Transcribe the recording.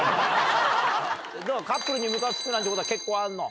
カップルにムカつくなんてことは結構あるの？